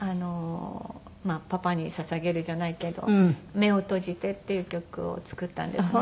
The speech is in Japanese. パパに捧げるじゃないけど『瞳をとじて』っていう曲を作ったんですね。